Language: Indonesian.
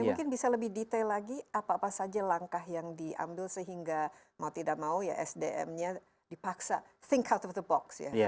mungkin bisa lebih detail lagi apa apa saja langkah yang diambil sehingga mau tidak mau ya sdm nya dipaksa think cout of the box ya